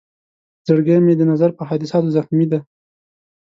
زړګی مې د نظر په حادثاتو زخمي دی.